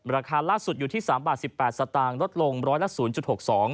ราคาล่าสุดอยู่ที่๓๑๘บาทสตางค์ลดลง๑๐๐๖๒บาท